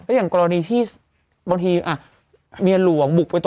เอออันนี้อะต้องปล่อย